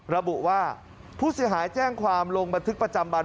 ระบุว่าผู้เสียหายแจ้งความลงบันทึกประจำวัน